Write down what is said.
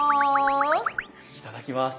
いただきます。